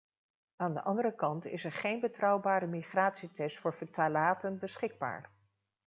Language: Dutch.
Aan de andere kant is er geen betrouwbare migratietest voor ftalaten beschikbaar.